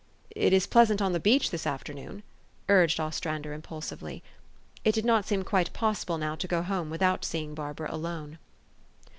"It is pleasant on the beach this afternoon," urged Ostrander impulsively. It did not seem quite possible now to go home without seeing Barbara alone.